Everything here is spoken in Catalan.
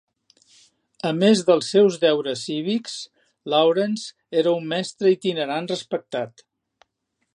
A més dels seus deures cívics, Lawrence era un mestre itinerant respectat.